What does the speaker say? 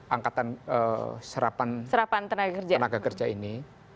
angkatan serapan tenaga kerja ini